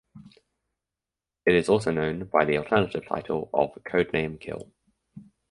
It is also known by the alternative title of Code Name Kill.